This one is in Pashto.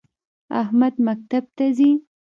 احمد مکتب ته ځی